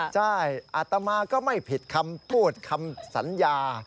ใช่อาตมาก็ไม่ผิดคำพูดคำสัญญา